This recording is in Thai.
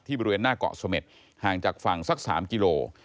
บริเวณหน้าเกาะเสม็ดห่างจากฝั่งสัก๓กิโล